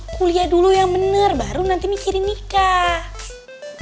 kuliah dulu yang bener baru nanti mikirin nikah